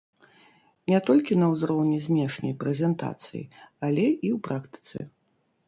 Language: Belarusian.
Не толькі на ўзроўні знешняй прэзентацыі, але і ў практыцы.